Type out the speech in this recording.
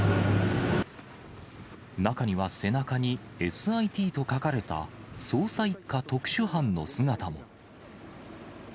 中には、背中にＳＩＴと書かれた捜査１課特殊班の姿も。